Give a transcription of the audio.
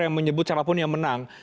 yang menyebut siapapun yang menang